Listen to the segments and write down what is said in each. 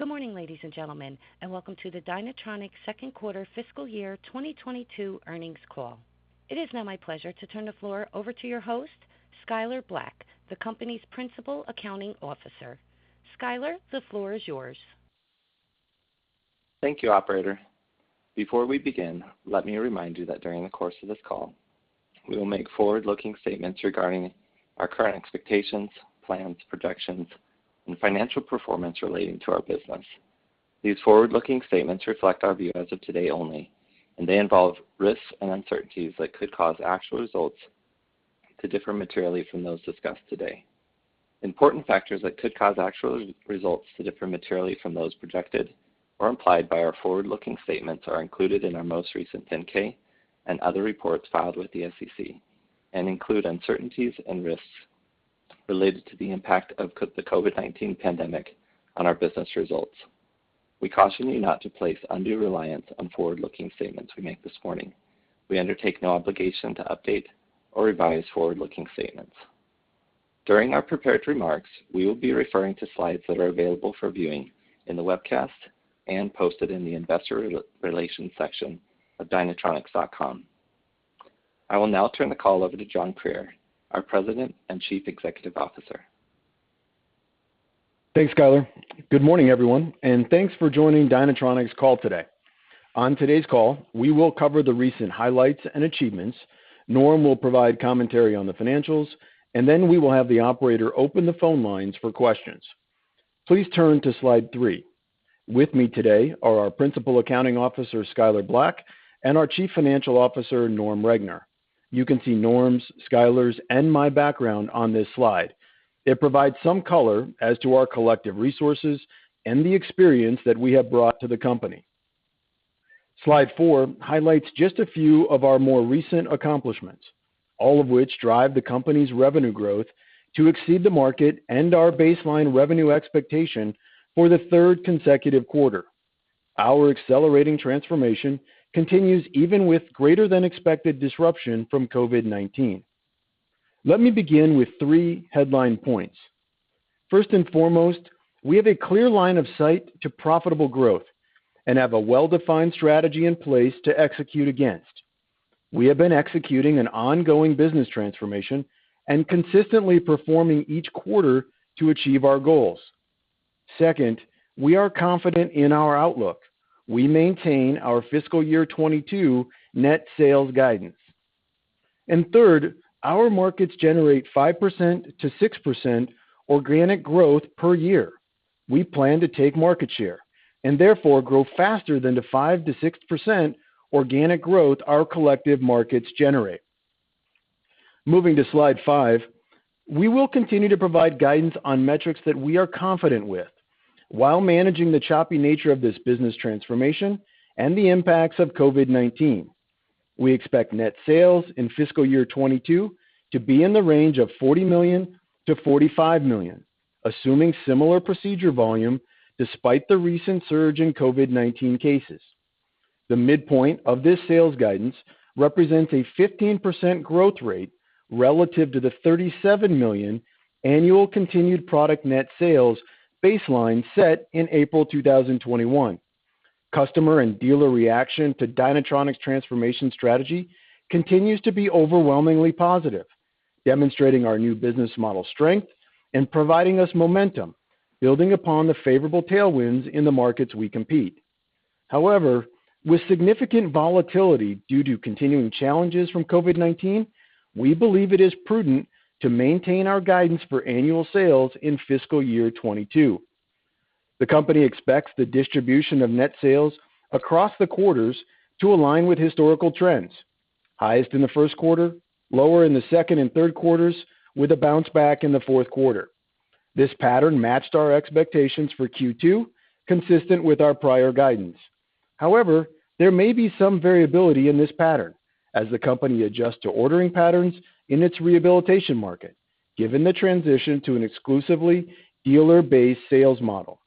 Good morning, ladies and gentlemen, and Welcome to the Dynatronics Second Quarter Fiscal Year 2022 Earnings Call. It is now my pleasure to turn the floor over to your host, Skyler Black, the company's Principal Accounting Officer. Skyler, the floor is yours. Thank you, Operator. Before we begin, let me remind you that during the course of this call, we will make forward-looking statements regarding our current expectations, plans, projections, and financial performance relating to our business. These forward-looking statements reflect our view as of today only, and they involve risks and uncertainties that could cause actual results to differ materially from those discussed today. Important factors that could cause actual results to differ materially from those projected or implied by our forward-looking statements are included in our most recent 10-K and other reports filed with the SEC and include uncertainties and risks related to the impact of the COVID-19 pandemic on our business results. We caution you not to place undue reliance on forward-looking statements we make this morning. We undertake no obligation to update or revise forward-looking statements. During our prepared remarks, we will be referring to slides that are available for viewing in the webcast and posted in the investor relations section of dynatronics.com. I will now turn the call over to John Krier, our President and Chief Executive Officer. Thanks, Skyler. Good morning, everyone, and thanks for joining Dynatronics call today. On today's call, we will cover the recent highlights and achievements, Norm will provide commentary on the financials, and then we will have the operator open the phone lines for questions. Please turn to slide three. With me today are our Principal Accounting Officer, Skyler Black, and our Chief Financial Officer, Norm Roegner. You can see Norm's, Skyler's, and my background on this slide. It provides some color as to our collective resources and the experience that we have brought to the company. Slide four highlights just a few of our more recent accomplishments, all of which drive the company's revenue growth to exceed the market and our baseline revenue expectation for the third consecutive quarter. Our accelerating transformation continues even with greater than expected disruption from COVID-19. Let me begin with three headline points. First and foremost, we have a clear line of sight to profitable growth and have a well-defined strategy in place to execute against. We have been executing an ongoing business transformation and consistently performing each quarter to achieve our goals. Second, we are confident in our outlook. We maintain our fiscal year 2022 net sales guidance. Third, our markets generate 5%-6% organic growth per year. We plan to take market share and therefore grow faster than the 5-6% organic growth our collective markets generate. Moving to slide five. We will continue to provide guidance on metrics that we are confident with while managing the choppy nature of this business transformation and the impacts of COVID-19. We expect net sales in fiscal year 2022 to be in the range of $40 million-$45 million, assuming similar procedure volume despite the recent surge in COVID-19 cases. The midpoint of this sales guidance represents a 15% growth rate relative to the $37 million annual continued product net sales baseline set in April 2021. Customer and dealer reaction to Dynatronics transformation strategy continues to be overwhelmingly positive, demonstrating our new business model strength and providing us momentum, building upon the favorable tailwinds in the markets we compete. However, with significant volatility due to continuing challenges from COVID-19, we believe it is prudent to maintain our guidance for annual sales in fiscal year 2022. The company expects the distribution of net sales across the quarters to align with historical trends. Highest in the first quarter, lower in the second and third quarters, with a bounce back in the fourth quarter. This pattern matched our expectations for Q2, consistent with our prior guidance. However, there may be some variability in this pattern as the company adjusts to ordering patterns in its rehabilitation market, given the transition to an exclusively dealer-based sales model.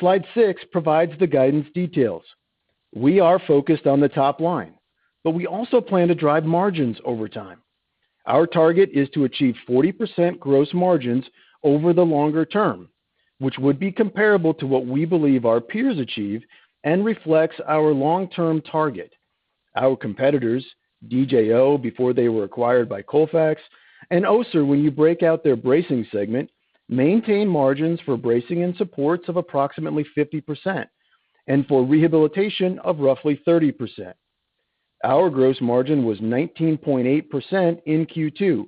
Slide six provides the guidance details. We are focused on the top line, but we also plan to drive margins over time. Our target is to achieve 40% gross margins over the longer term, which would be comparable to what we believe our peers achieve and reflects our long-term target. Our competitors, DJO, before they were acquired by Colfax, and Össur, when you break out their bracing segment, maintain margins for bracing and supports of approximately 50% and for rehabilitation of roughly 30%. Our gross margin was 19.8% in Q2.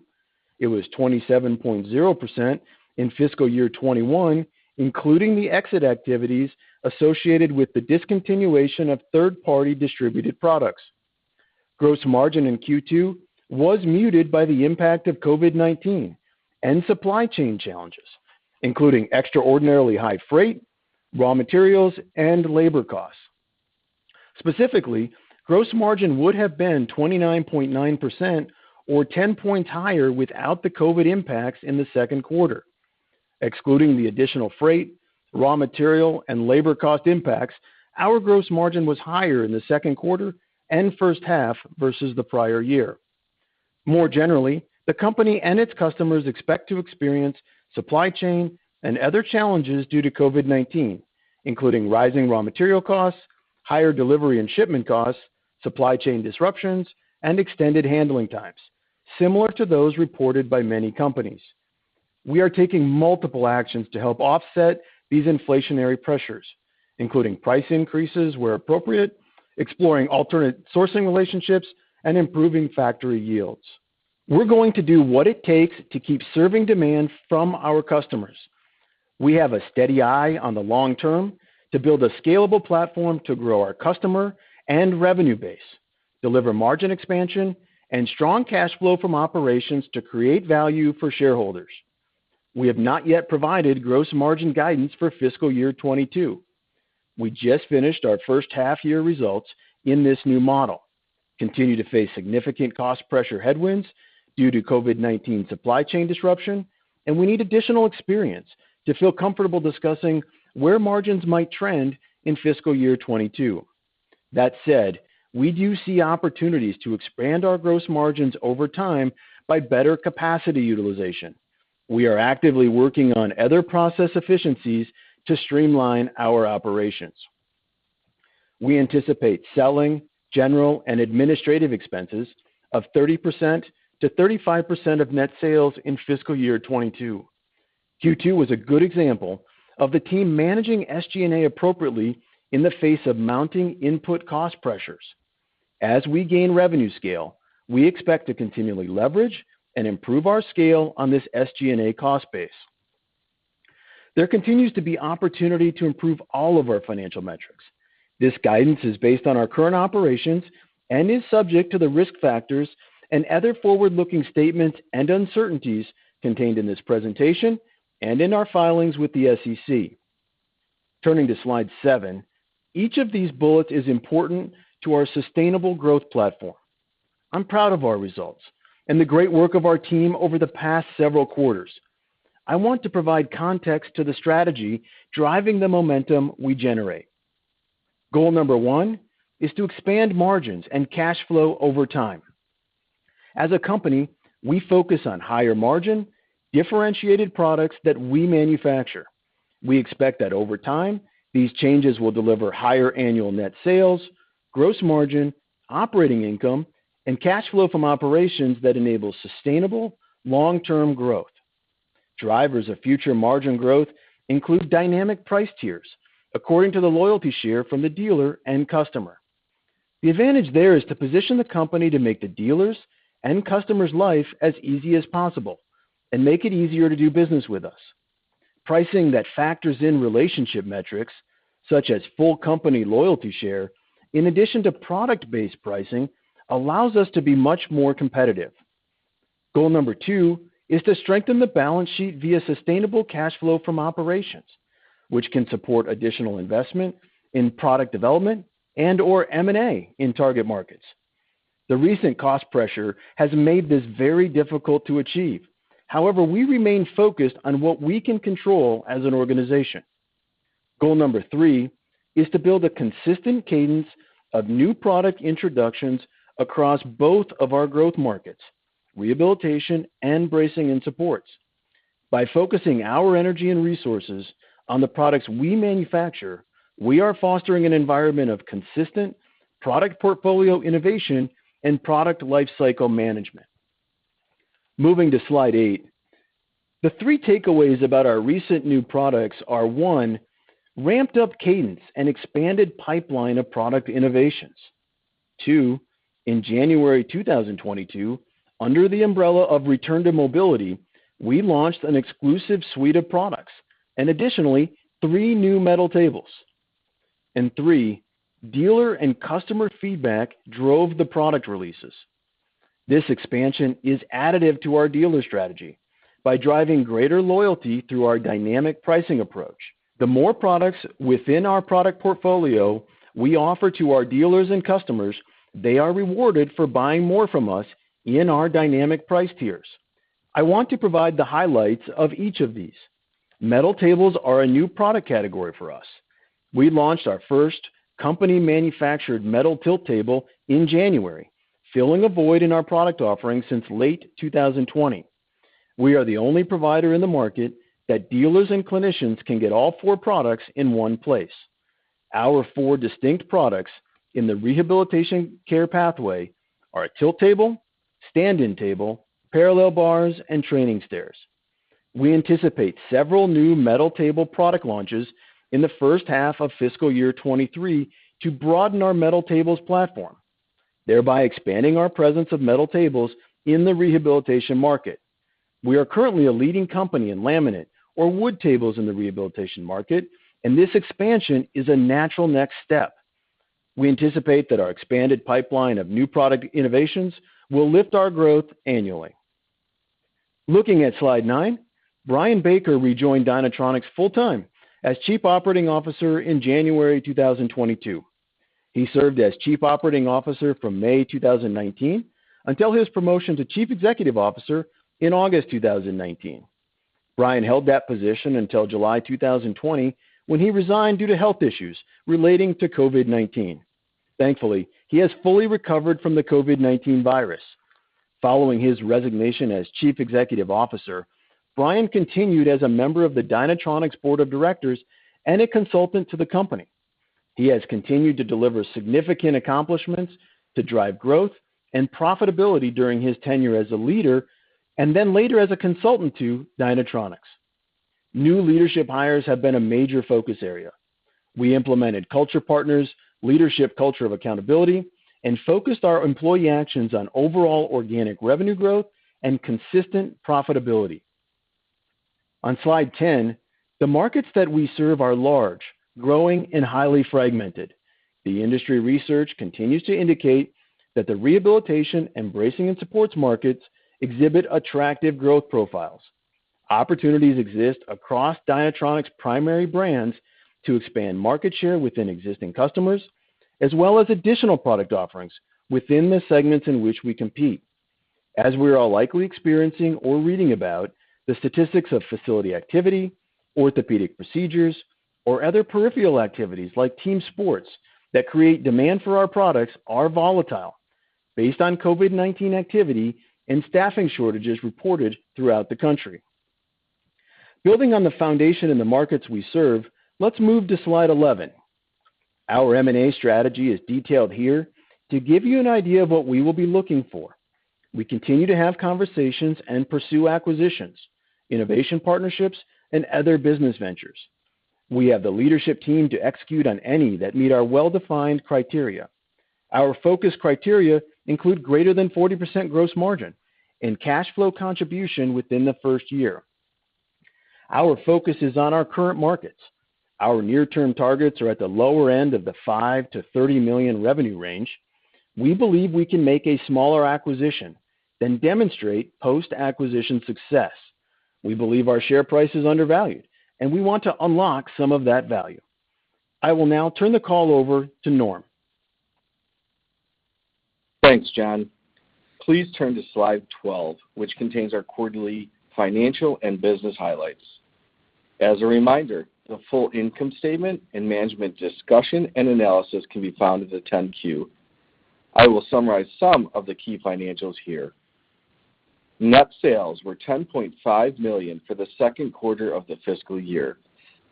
It was 27.0% in fiscal year 2021, including the exit activities associated with the discontinuation of third-party distributed products. Gross margin in Q2 was muted by the impact of COVID-19 and supply chain challenges, including extraordinarily high freight, raw materials, and labor costs. Specifically, gross margin would have been 29.9% or 10 points higher without the COVID impacts in the second quarter. Excluding the additional freight, raw material, and labor cost impacts, our gross margin was higher in the second quarter and first half versus the prior year. More generally, the company and its customers expect to experience supply chain and other challenges due to COVID-19, including rising raw material costs, higher delivery and shipment costs, supply chain disruptions, and extended handling times, similar to those reported by many companies. We are taking multiple actions to help offset these inflationary pressures, including price increases where appropriate, exploring alternate sourcing relationships, and improving factory yields. We're going to do what it takes to keep serving demand from our customers. We have a steady eye on the long term to build a scalable platform to grow our customer and revenue base, deliver margin expansion and strong cash flow from operations to create value for shareholders. We have not yet provided gross margin guidance for fiscal year 2022. We just finished our first half year results in this new model, continue to face significant cost pressure headwinds due to COVID-19 supply chain disruption, and we need additional experience to feel comfortable discussing where margins might trend in fiscal year 2022. That said, we do see opportunities to expand our gross margins over time by better capacity utilization. We are actively working on other process efficiencies to streamline our operations. We anticipate selling, general, and administrative expenses of 30%-35% of net sales in fiscal year 2022. Q2 was a good example of the team managing SG&A appropriately in the face of mounting input cost pressures. As we gain revenue scale, we expect to continually leverage and improve our scale on this SG&A cost base. There continues to be opportunity to improve all of our financial metrics. This guidance is based on our current operations and is subject to the risk factors and other forward-looking statements and uncertainties contained in this presentation and in our filings with the SEC. Turning to slide 7, each of these bullets is important to our sustainable growth platform. I'm proud of our results and the great work of our team over the past several quarters. I want to provide context to the strategy driving the momentum we generate. Goal number one is to expand margins and cash flow over time. As a company, we focus on higher margin, differentiated products that we manufacture. We expect that over time, these changes will deliver higher annual net sales, gross margin, operating income, and cash flow from operations that enable sustainable long-term growth. Drivers of future margin growth include dynamic price tiers according to the loyalty share from the dealer and customer. The advantage there is to position the company to make the dealers and customers' life as easy as possible and make it easier to do business with us. Pricing that factors in relationship metrics such as full company loyalty share, in addition to product-based pricing, allows us to be much more competitive. Goal number two is to strengthen the balance sheet via sustainable cash flow from operations, which can support additional investment in product development and/or M&A in target markets. The recent cost pressure has made this very difficult to achieve. However, we remain focused on what we can control as an organization. Goal number three is to build a consistent cadence of new product introductions across both of our growth markets, rehabilitation and bracing and supports. By focusing our energy and resources on the products we manufacture, we are fostering an environment of consistent product portfolio innovation and product lifecycle management. Moving to slide eight, the three takeaways about our recent new products are, One, ramped up cadence and expanded pipeline of product innovations. Two, in January 2022, under the umbrella of Return to Mobility, we launched an exclusive suite of products and additionally, three new metal tables. Three, dealer and customer feedback drove the product releases. This expansion is additive to our dealer strategy by driving greater loyalty through our dynamic pricing approach. The more products within our product portfolio we offer to our dealers and customers, they are rewarded for buying more from us in our dynamic price tiers. I want to provide the highlights of each of these. Metal tables are a new product category for us. We launched our first company-manufactured metal tilt table in January, filling a void in our product offerings since late 2020. We are the only provider in the market that dealers and clinicians can get all four products in one place. Our four distinct products in the rehabilitation care pathway are a tilt table, stand-in table, parallel bars, and training stairs. We anticipate several new metal table product launches in the first half of fiscal year 2023 to broaden our metal tables platform, thereby expanding our presence of metal tables in the rehabilitation market. We are currently a leading company in laminate or wood tables in the rehabilitation market, and this expansion is a natural next step. We anticipate that our expanded pipeline of new product innovations will lift our growth annually. Looking at slide nine, Brian Baker rejoined Dynatronics full-time as Chief Operating Officer in January 2022. He served as Chief Operating Officer from May 2019 until his promotion to Chief Executive Officer in August 2019. Brian held that position until July 2020, when he resigned due to health issues relating to COVID-19. Thankfully, he has fully recovered from the COVID-19 virus. Following his resignation as Chief Executive Officer, Brian continued as a member of the Dynatronics Board of Directors and a consultant to the company. He has continued to deliver significant accomplishments to drive growth and profitability during his tenure as a leader and then later as a consultant to Dynatronics. New leadership hires have been a major focus area. We implemented Culture Partners, leadership culture of accountability, and focused our employee actions on overall organic revenue growth and consistent profitability. On Slide 10, the markets that we serve are large, growing, and highly fragmented. The industry research continues to indicate that the rehabilitation, bracing, and supports markets exhibit attractive growth profiles. Opportunities exist across Dynatronics' primary brands to expand market share within existing customers as well as additional product offerings within the segments in which we compete. As we are all likely experiencing or reading about, the statistics of facility activity, orthopedic procedures, or other peripheral activities like team sports that create demand for our products are volatile based on COVID-19 activity and staffing shortages reported throughout the country. Building on the foundation in the markets we serve, let's move to slide 11. Our M&A strategy is detailed here to give you an idea of what we will be looking for. We continue to have conversations and pursue acquisitions, innovation partnerships, and other business ventures. We have the leadership team to execute on any that meet our well-defined criteria. Our focus criteria include greater than 40% gross margin and cash flow contribution within the first year. Our focus is on our current markets. Our near-term targets are at the lower end of the $5 million-$30 million revenue range. We believe we can make a smaller acquisition then demonstrate post-acquisition success. We believe our share price is undervalued, and we want to unlock some of that value. I will now turn the call over to Norm. Thanks, John. Please turn to slide 12, which contains our quarterly financial and business highlights. As a reminder, the full income statement and management discussion and analysis can be found at the 10-Q. I will summarize some of the key financials here. Net sales were $10.5 million for the second quarter of the fiscal year.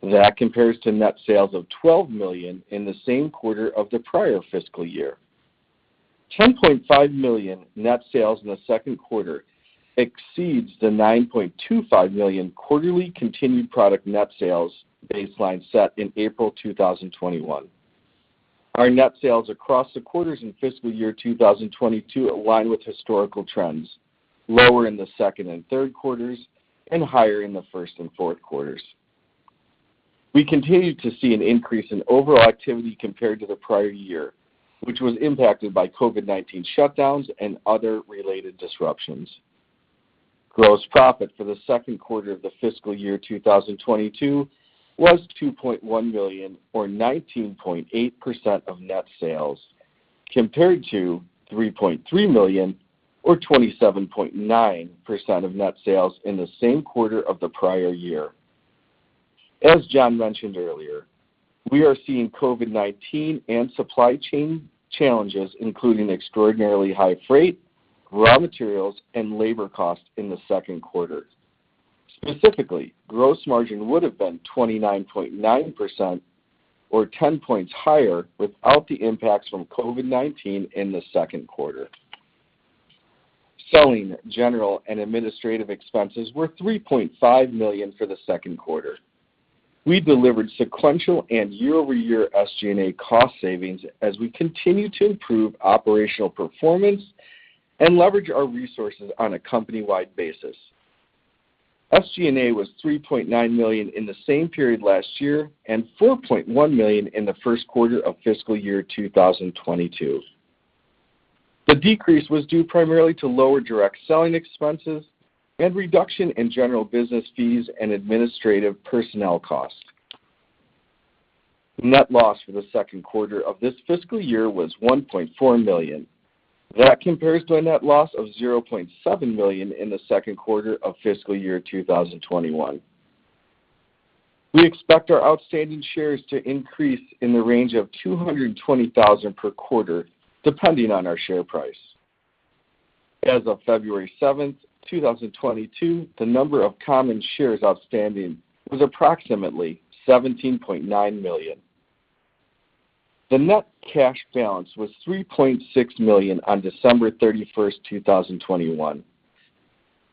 That compares to net sales of $12 million in the same quarter of the prior fiscal year. $10.5 million net sales in the second quarter exceeds the $9.25 million quarterly continuing product net sales baseline set in April 2021. Our net sales across the quarters in fiscal year 2022 align with historical trends, lower in the second and third quarters and higher in the first and fourth quarters. We continued to see an increase in overall activity compared to the prior year, which was impacted by COVID-19 shutdowns and other related disruptions. Gross profit for the second quarter of fiscal year 2022 was $2.1 million or 19.8% of net sales, compared to $3.3 million or 27.9% of net sales in the same quarter of the prior year. As John mentioned earlier, we are seeing COVID-19 and supply chain challenges, including extraordinarily high freight, raw materials, and labor costs in the second quarter. Specifically, gross margin would have been 29.9% or 10 points higher without the impacts from COVID-19 in the second quarter. Selling, general, and administrative expenses were $3.5 million for the second quarter. We delivered sequential and year-over-year SG&A cost savings as we continue to improve operational performance and leverage our resources on a company-wide basis. SG&A was $3.9 million in the same period last year and $4.1 million in the first quarter of fiscal year 2022. The decrease was due primarily to lower direct selling expenses and reduction in general business fees and administrative personnel costs. Net loss for the second quarter of this fiscal year was $1.4 million. That compares to a net loss of $0.7 million in the second quarter of fiscal year 2021. We expect our outstanding shares to increase in the range of 220,000 per quarter, depending on our share price. As of February 7, 2022, the number of common shares outstanding was approximately 17.9 million. The net cash balance was $3.6 million on December 31, 2021.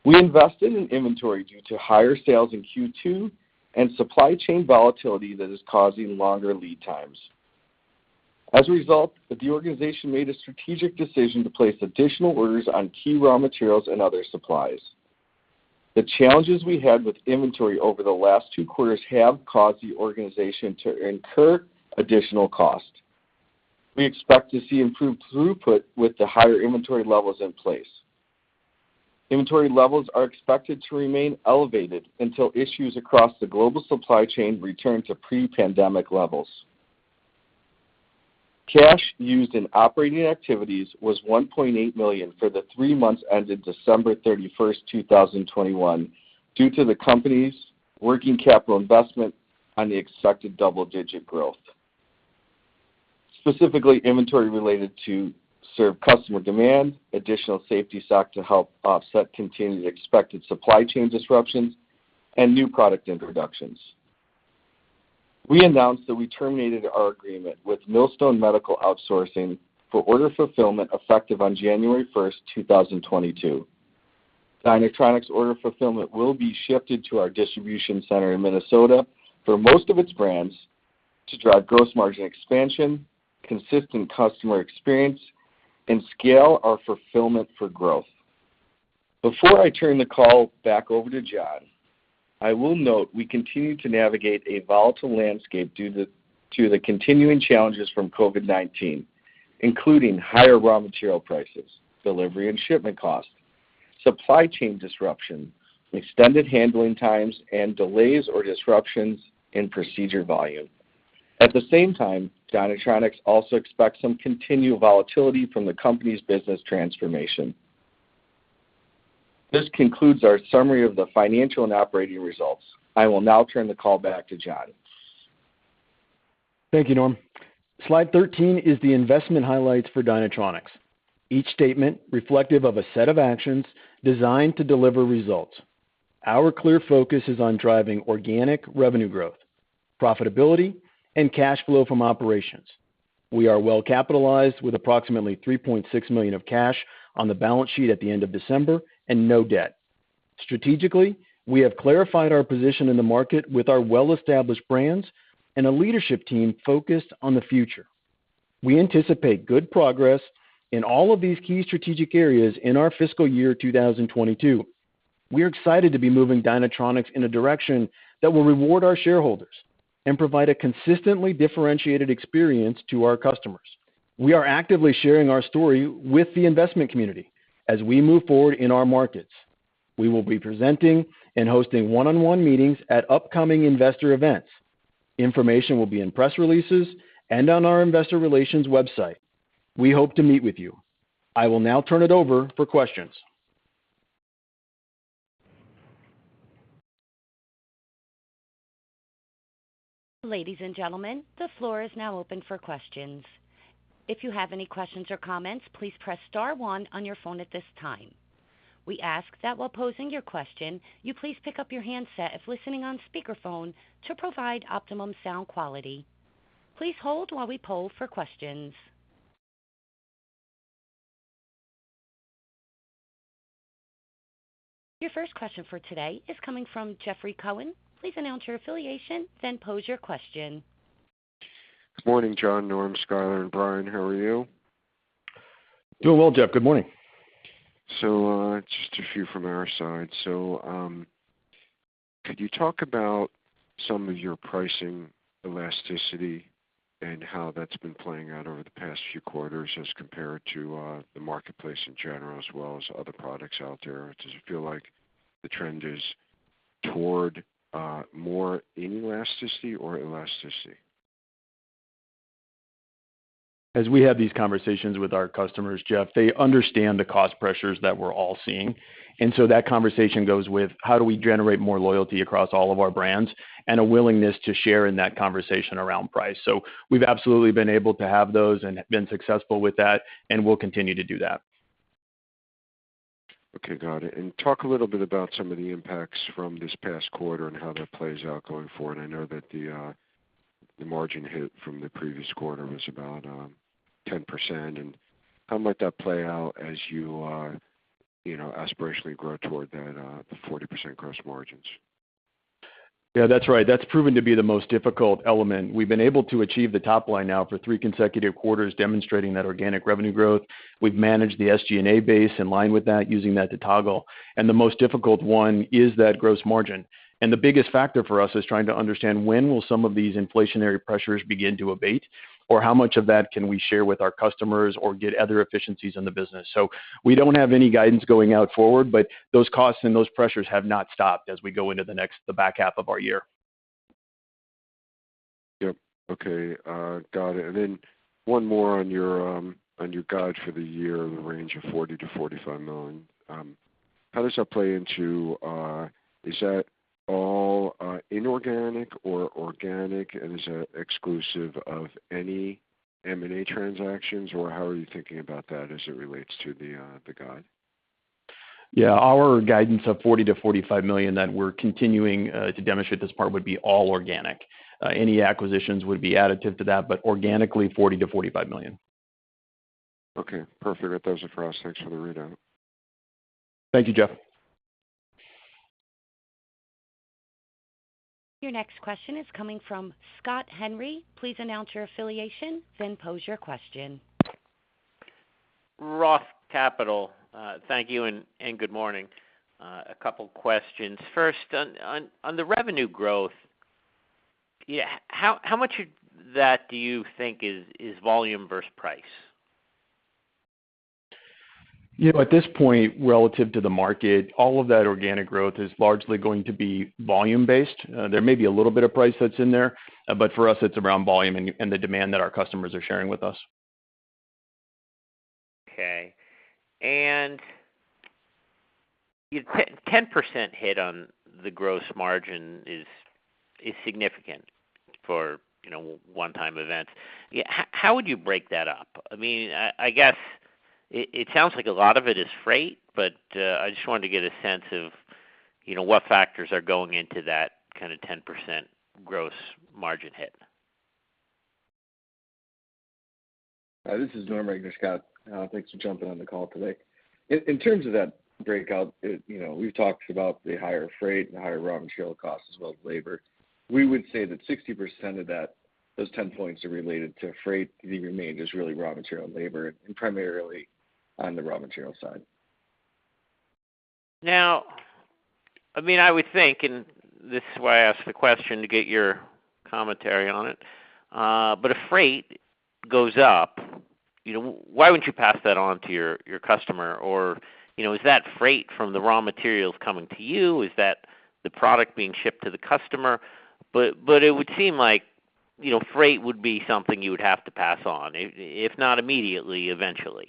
We invested in inventory due to higher sales in Q2 and supply chain volatility that is causing longer lead times. As a result, the organization made a strategic decision to place additional orders on key raw materials and other supplies. The challenges we had with inventory over the last two quarters have caused the organization to incur additional cost. We expect to see improved throughput with the higher inventory levels in place. Inventory levels are expected to remain elevated until issues across the global supply chain return to pre-pandemic levels. Cash used in operating activities was $1.8 million for the three months ended December 31, 2021, due to the company's working capital investment on the expected double-digit growth, specifically, inventory related to service customer demand, additional safety stock to help offset continued expected supply chain disruptions, and new product introductions. We announced that we terminated our agreement with Millstone Medical Outsourcing for order fulfillment effective on January 1, 2022. Dynatronics' order fulfillment will be shifted to our distribution center in Minnesota for most of its brands to drive gross margin expansion, consistent customer experience, and scale our fulfillment for growth. Before I turn the call back over to John, I will note we continue to navigate a volatile landscape due to the continuing challenges from COVID-19, including higher raw material prices, delivery and shipment costs, supply chain disruption, extended handling times, and delays or disruptions in procedure volume. At the same time, Dynatronics also expects some continued volatility from the company's business transformation. This concludes our summary of the financial and operating results. I will now turn the call back to John. Thank you, Norm. Slide 13 is the investment highlights for Dynatronics. Each statement reflective of a set of actions designed to deliver results. Our clear focus is on driving organic revenue growth, profitability, and cash flow from operations. We are well-capitalized with approximately $3.6 million of cash on the balance sheet at the end of December and no debt. Strategically, we have clarified our position in the market with our well-established brands and a leadership team focused on the future. We anticipate good progress in all of these key strategic areas in our fiscal year 2022. We're excited to be moving Dynatronics in a direction that will reward our shareholders and provide a consistently differentiated experience to our customers. We are actively sharing our story with the investment community as we move forward in our markets. We will be presenting and hosting one-on-one meetings at upcoming investor events. Information will be in press releases and on our investor relations website. We hope to meet with you. I will now turn it over for questions. Ladies and gentlemen, the floor is now open for questions. If you have any questions or comments, please press star one on your phone at this time. We ask that while posing your question, you please pick up your handset if listening on speakerphone to provide optimum sound quality. Please hold while we poll for questions. Your first question for today is coming from Jeffrey Cohen. Please announce your affiliation, then pose your question. Good morning, John, Norm, Skyler, and Brian. How are you? Doing well, Jeff. Good morning. Just a few from our side. Could you talk about some of your pricing elasticity and how that's been playing out over the past few quarters as compared to the marketplace in general, as well as other products out there? Does it feel like the trend is toward more inelasticity or elasticity? As we have these conversations with our customers, Jeff, they understand the cost pressures that we're all seeing. That conversation goes with how do we generate more loyalty across all of our brands and a willingness to share in that conversation around price. We've absolutely been able to have those and been successful with that, and we'll continue to do that. Okay, got it. Talk a little bit about some of the impacts from this past quarter and how that plays out going forward. I know that the margin hit from the previous quarter was about 10%. How might that play out as you know, Aspirationally grow toward that the 40% gross margins? Yeah, that's right. That's proven to be the most difficult element. We've been able to achieve the top line now for three consecutive quarters demonstrating that organic revenue growth. We've managed the SG&A base in line with that, using that to toggle, and the most difficult one is that gross margin. The biggest factor for us is trying to understand when will some of these inflationary pressures begin to abate, or how much of that can we share with our customers or get other efficiencies in the business. We don't have any guidance going out forward, but those costs and those pressures have not stopped as we go into the next, the back half of our year. Yep. Okay, got it. One more on your guide for the year in the range of $40 million-$45 million. How does that play into? Is that all inorganic or organic, and is that exclusive of any M&A transactions, or how are you thinking about that as it relates to the guide? Yeah. Our guidance of $40 million-$45 million that we're continuing to demonstrate this part would be all organic. Any acquisitions would be additive to that, but organically, $40 million-$45 million. Okay, perfect. That does it for us. Thanks for the readout. Thank you, Jeff. Your next question is coming from Scott Henry. Please announce your affiliation, then pose your question. Roth Capital, thank you and good morning. A couple questions. First, on the revenue growth, how much of that do you think is volume versus price? Yeah, at this point, relative to the market, all of that organic growth is largely going to be volume-based. There may be a little bit of price that's in there, but for us it's around volume and the demand that our customers are sharing with us. Okay. 10% hit on the gross margin is significant for, you know, one-time events. How would you break that up? I mean, I guess it sounds like a lot of it is freight, but I just wanted to get a sense of, you know, what factors are going into that kind of 10% gross margin hit. This is Norm Roegner, Scott. Thanks for jumping on the call today. In terms of that breakout, you know, we've talked about the higher freight and the higher raw material costs as well as labor. We would say that 60% of that, those 10 points are related to freight. The remainder is really raw material and labor, and primarily on the raw material side. Now, I mean, I would think, and this is why I asked the question to get your commentary on it, but if freight goes up, you know, why wouldn't you pass that on to your customer? Or, you know, is that freight from the raw materials coming to you? Is that the product being shipped to the customer? But it would seem like, you know, freight would be something you would have to pass on, if not immediately, eventually.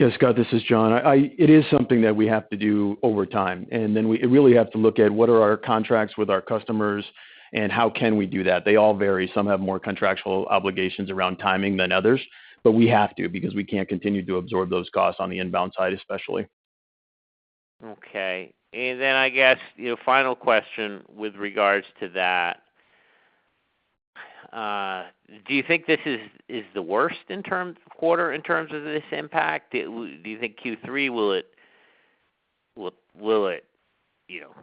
Yes, Scott, this is John. It is something that we have to do over time, and then we really have to look at what are our contracts with our customers and how can we do that? They all vary. Some have more contractual obligations around timing than others. We have to because we can't continue to absorb those costs on the inbound side, especially. Okay. Then I guess, you know, final question with regards to that. Do you think this is the worst quarter in terms of this impact? Will it, you know,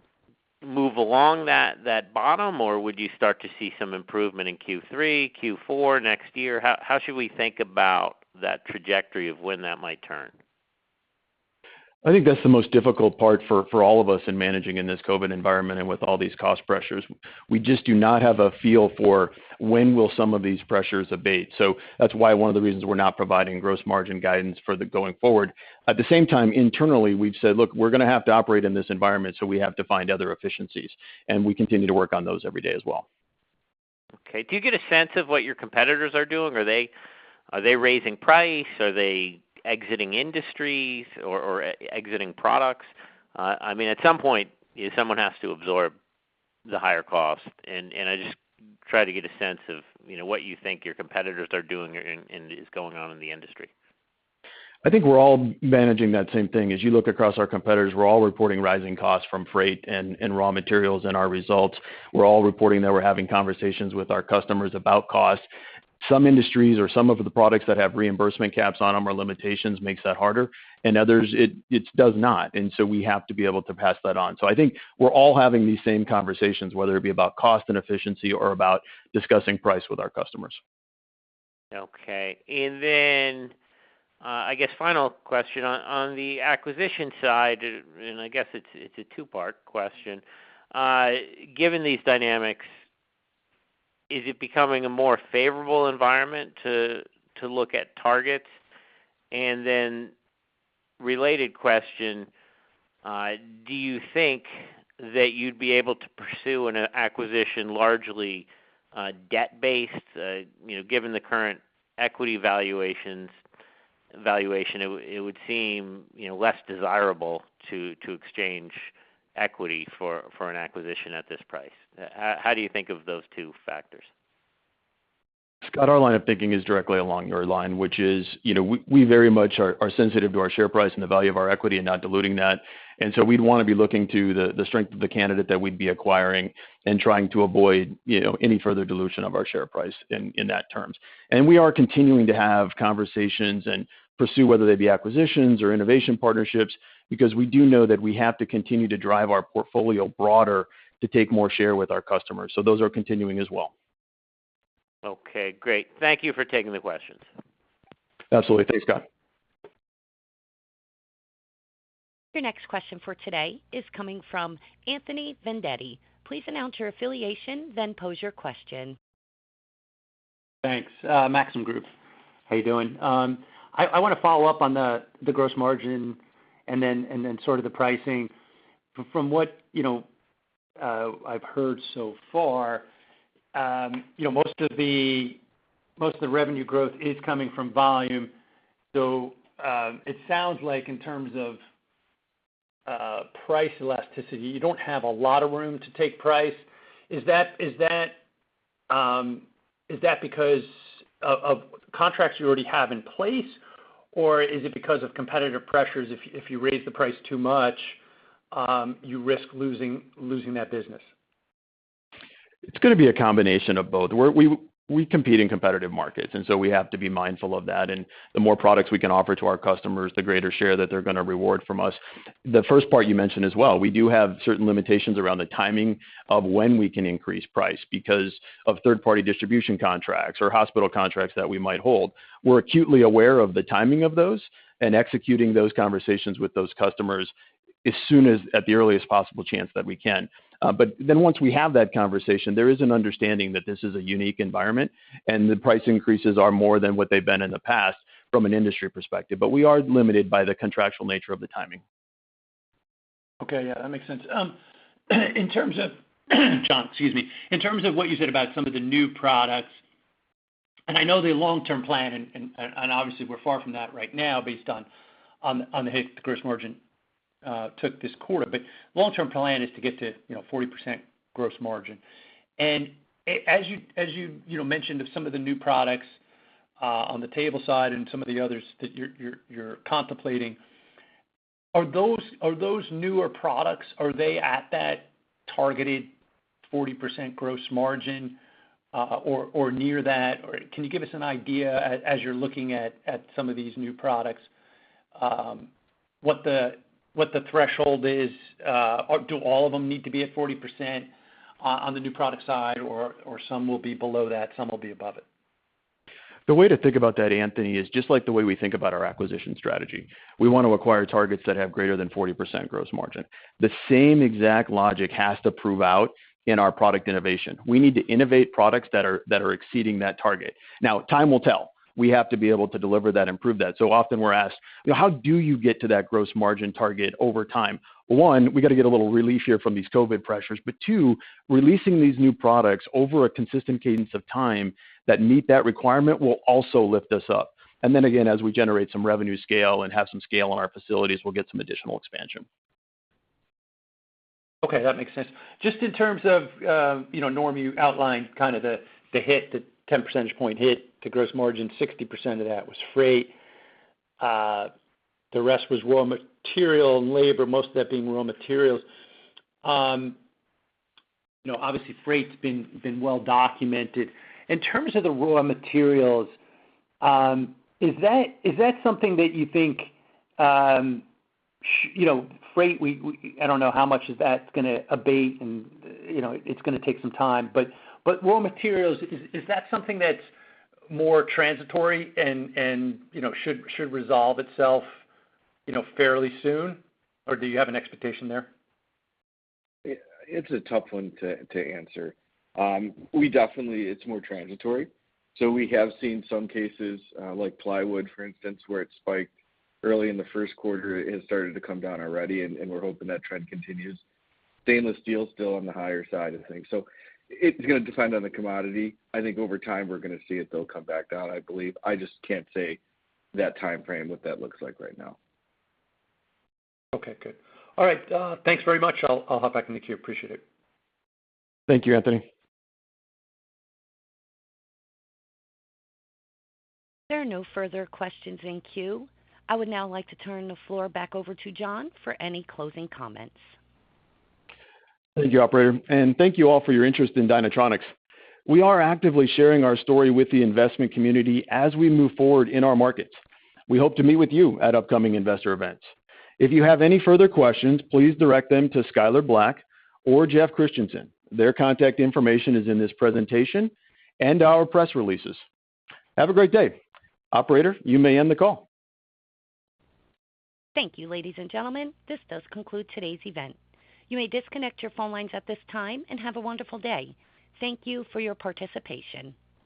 move along that bottom or would you start to see some improvement in Q3, Q4, next year? How should we think about that trajectory of when that might turn? I think that's the most difficult part for all of us in managing in this COVID environment and with all these cost pressures. We just do not have a feel for when will some of these pressures abate. That's why one of the reasons we're not providing gross margin guidance for the going forward. At the same time, internally we've said, Look, we're gonna have to operate in this environment, so we have to find other efficiencies. We continue to work on those every day as well. Okay. Do you get a sense of what your competitors are doing? Are they raising price? Are they exiting industries or exiting products? I mean, at some point someone has to absorb the higher cost and I just try to get a sense of, you know, what you think your competitors are doing and is going on in the industry. I think we're all managing that same thing. As you look across our competitors, we're all reporting rising costs from freight and raw materials in our results. We're all reporting that we're having conversations with our customers about cost. Some industries or some of the products that have reimbursement caps on them or limitations makes that harder, and others it does not, and so we have to be able to pass that on. I think we're all having these same conversations, whether it be about cost and efficiency or about discussing price with our customers. Okay. I guess final question. On the acquisition side, I guess it's a two-part question. Given these dynamics, is it becoming a more favorable environment to look at targets? Related question, do you think that you'd be able to pursue an acquisition largely debt based? You know, given the current equity valuations, it would seem less desirable to exchange equity for an acquisition at this price. How do you think of those two factors? Scott, our line of thinking is directly along your line, which is, you know, we very much are sensitive to our share price and the value of our equity and not diluting that. We'd wanna be looking to the strength of the candidate that we'd be acquiring and trying to avoid, you know, any further dilution of our share price in those terms. We are continuing to have conversations and pursue, whether they be acquisitions or innovation partnerships, because we do know that we have to continue to drive our portfolio broader to take more share with our customers. Those are continuing as well. Okay, great. Thank you for taking the questions. Absolutely. Thanks, Scott. Your next question for today is coming from Anthony Vendetti. Please announce your affiliation, then pose your question. Thanks. Maxim Group. How you doing? I wanna follow up on the gross margin and then sort of the pricing. From what you know I've heard so far, you know, most of the revenue growth is coming from volume. It sounds like in terms of price elasticity, you don't have a lot of room to take price. Is that because of contracts you already have in place, or is it because of competitive pressures? If you raise the price too much, you risk losing that business? It's gonna be a combination of both. We compete in competitive markets, and so we have to be mindful of that. The more products we can offer to our customers, the greater share that they're gonna reward from us. The first part you mentioned as well, we do have certain limitations around the timing of when we can increase price because of third-party distribution contracts or hospital contracts that we might hold. We're acutely aware of the timing of those and executing those conversations with those customers as soon as at the earliest possible chance that we can. But then once we have that conversation, there is an understanding that this is a unique environment and the price increases are more than what they've been in the past from an industry perspective. We are limited by the contractual nature of the timing. Okay. Yeah, that makes sense. In terms of, John, excuse me. In terms of what you said about some of the new products, and I know the long-term plan and obviously we're far from that right now based on the hit that the gross margin took this quarter. Long-term plan is to get to, you know, 40% gross margin. As you know, mentioned some of the new products on the table side and some of the others that you're contemplating, are those newer products at that targeted 40% gross margin, or near that? Or can you give us an idea as you're looking at some of these new products, what the threshold is? Do all of them need to be at 40% on the new product side, or some will be below that, some will be above it? The way to think about that, Anthony, is just like the way we think about our acquisition strategy. We want to acquire targets that have greater than 40% gross margin. The same exact logic has to prove out in our product innovation. We need to innovate products that are exceeding that target. Now time will tell. We have to be able to deliver that and prove that. Often we're asked, you know, How do you get to that gross margin target over time? One, we gotta get a little relief here from these COVID pressures, but two, releasing these new products over a consistent cadence of time that meet that requirement will also lift us up. As we generate some revenue scale and have some scale in our facilities, we'll get some additional expansion. Okay, that makes sense. Just in terms of, you know, Norm, you outlined kind of the hit, the 10% point hit to the gross margin, 60% of that was freight. The rest was raw material and labor, most of that being raw materials. You know, obviously freight's been well documented. In terms of the raw materials, is that something that you think, you know, freight, we—I don't know how much of that's gonna abate and, you know, it's gonna take some time, but raw materials, is that something that's more transitory and, you know, should resolve itself, you know, fairly soon or do you have an expectation there? It's a tough one to answer. It's more transitory. We have seen some cases, like plywood, for instance, where it spiked early in the first quarter. It has started to come down already, and we're hoping that trend continues. Stainless steel is still on the higher side of things, so it's gonna depend on the commodity. I think over time, we're gonna see it, though, come back down, I believe. I just can't say that timeframe, what that looks like right now. Okay, good. All right. Thanks very much. I'll hop back in the queue. Appreciate it. Thank you, Anthony. There are no further questions in queue. I would now like to turn the floor back over to John for any closing comments. Thank you, Operator, and thank you all for your interest in Dynatronics. We are actively sharing our story with the investment community as we move forward in our markets. We hope to meet with you at upcoming investor events. If you have any further questions, please direct them to Skyler Black or Jeff Christensen. Their contact information is in this presentation and our press releases. Have a great day. Operator, you may end the call. Thank you, ladies and gentlemen. This does conclude today's event. You may disconnect your phone lines at this time and have a wonderful day. Thank you for your participation.